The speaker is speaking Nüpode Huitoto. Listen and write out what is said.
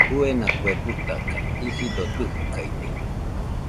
Fuena kue butaka , isido dɨjikaide.